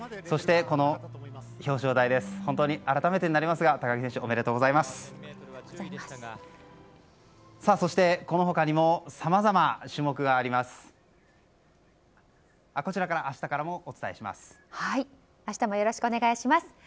そして、この他にもさまざま種目があります。